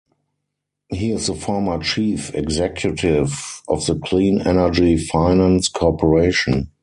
He is the former chief executive of the Clean Energy Finance Corporation.